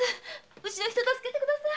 うちの人を助けてください！